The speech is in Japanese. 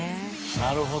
なるほど。